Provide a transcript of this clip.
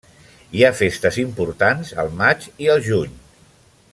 Hi ha festes importants al maig i al juny.